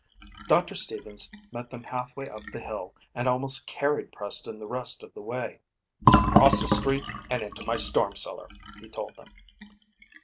Doctor Stevens met them half way up the hill and almost carried Preston the rest of the way. "Across the street and into my storm cellar," he told them.